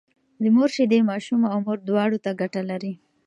د مور شيدې ماشوم او مور دواړو ته ګټه لري